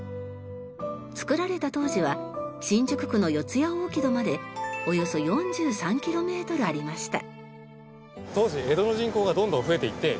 造られた当時は新宿区の四谷大木戸までおよそ４３キロメートルありました。